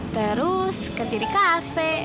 terus ketiri kafe